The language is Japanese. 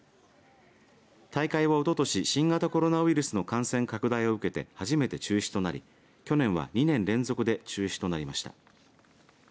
大会はおととし新型コロナウイルスの感染拡大を受けて初めて中止となり去年は２年連続で中止となりました。